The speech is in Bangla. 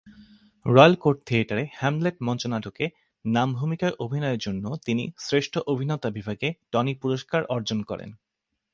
রয়্যাল কোর্ট থিয়েটারে "হ্যামলেট" মঞ্চনাটকে নাম ভূমিকায় অভিনয়ের জন্য তিনি শ্রেষ্ঠ অভিনেতা বিভাগে টনি পুরস্কার অর্জন করেন।